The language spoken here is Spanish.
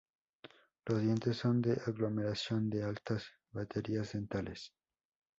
Los dientes son una aglomeración de altas baterías dentales.